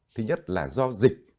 thứ nhất là do dịch